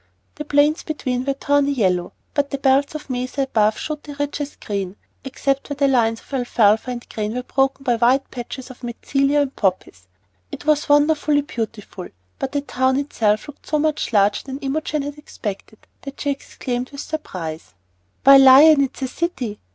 The plains between were of tawny yellow, but the belts of mesa above showed the richest green, except where the lines of alfalfa and grain were broken by white patches of mentzelia and poppies. It was wonderfully beautiful, but the town itself looked so much larger than Imogen had expected that she exclaimed with surprise: "Why, Lion, it's a city!